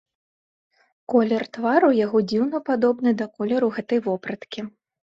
Колер твару яго дзіўна падобны да колеру гэтай вопраткі.